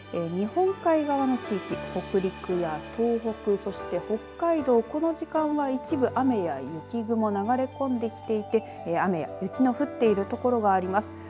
日本海側の地域、北陸や東北そして北海道、この時間は一部雨や雪雲流れ込んできていて雨や雪の降っている所があります。